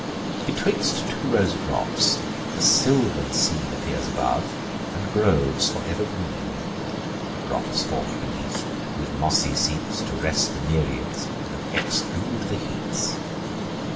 Betwixt two rows of rocks a sylvan scene Appears above, and groves for ever green: A grot is form'd beneath, with mossy seats, To rest the Nereids, and exclude the heats.